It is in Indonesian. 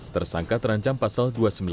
tersangka terancam pasal dua ratus sembilan puluh